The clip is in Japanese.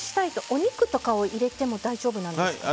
お肉とかを入れても大丈夫なんですか？